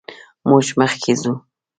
موږ مخکې ځو.